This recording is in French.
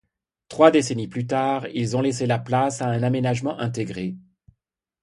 Trois décennies plus tard, ils ont laissé la place à un aménagement intégré.